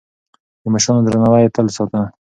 د مشرانو درناوی يې تل ساته.